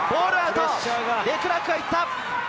デクラークが行った！